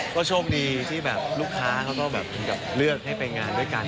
ก็ชมดีที่ลูกค้าเขาก็เลือกให้ไปงานด้วยกัน